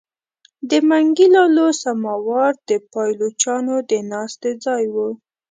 د منګي لالو سماوار د پایلوچانو د ناستې ځای وو.